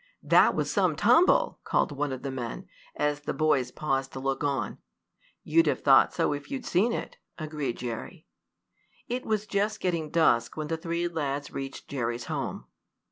"That was some tumble!" called one of the men, as the boys paused to look on. "You'd have thought so if you'd seen it," agreed Jerry. It was just getting dusk when the three lads reached Jerry's home.